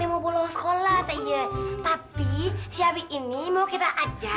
dia mau bolos sekolah tapi si abi ini mau kita ajak